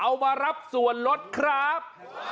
เอามารับส่วนลดครับ